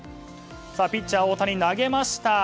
ピッチャー大谷、投げました。